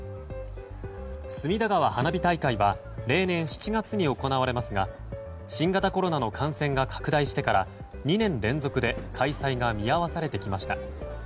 隅田川花火大会は例年７月に行われますが新型コロナの感染が拡大してから２年連続で開催が見合わされてきました。